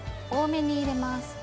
多めに入れます。